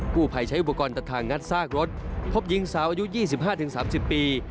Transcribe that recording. ผู้ภัยใช้อุปกรณ์ตัดทางงัดซากรถพบยิงสาวอายุยี่สิบห้าถึงสามสิบปี